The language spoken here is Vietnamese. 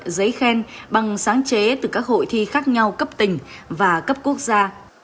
giấy khen bằng sáng chế từ các hội thi khác nhau cấp tỉnh và cấp quốc gia